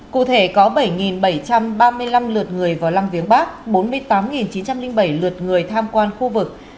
cụ thể có bảy bảy trăm ba mươi năm lượt người vào lăng viếng bắc bốn mươi tám chín trăm linh bảy lượt người tham quan khu vực